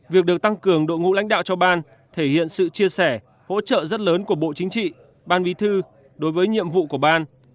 việc được tăng cường đội ngũ lãnh đạo cho ban thể hiện sự chia sẻ hỗ trợ rất lớn của bộ chính trị ban bí thư đối với nhiệm vụ của ban